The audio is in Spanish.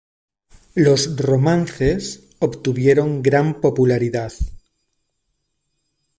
Los "Romances" obtuvieron gran popularidad.